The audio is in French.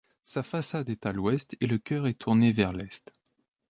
Sa façade est à l'ouest et le chœur est tourné vers l'est.